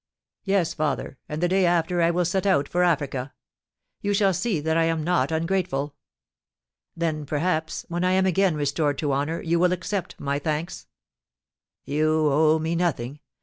"Yes, father, and the day after I will set out for Africa. You shall see that I am not ungrateful! Then, perhaps, when I am again restored to honour you will accept my thanks?" "You owe me nothing.